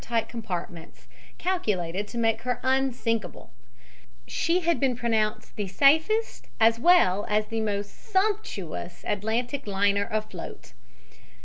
} water tight compartments, calculated to make her unsinkable; she had been pronounced the safest as well as the most sumptuous Atlantic liner afloat.